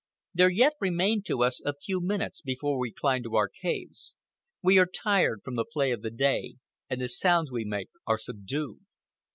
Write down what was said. There yet remain to us a few minutes before we climb to our caves. We are tired from the play of the day, and the sounds we make are subdued.